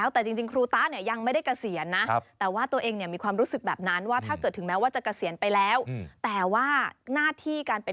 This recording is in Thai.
ของโรงเรียนรวมภัยพัฒนะ๔ครับอ่อ